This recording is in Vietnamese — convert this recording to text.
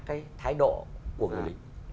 cái thái độ của người địch